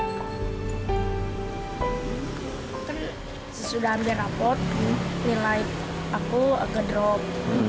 kami berdua sudah mengambil rapor nilai aku agak drop